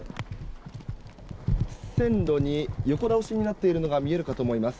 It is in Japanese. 線路に横倒しになっているのが見えるかと思います。